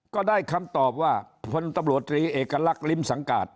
ก็ได้คำตอบว่าพลตำรวจตรีเอกลักษณ์ลิ้มสังกาศ